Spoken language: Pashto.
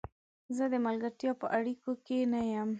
زه د ملګرتیا په اړیکو کې نه یم.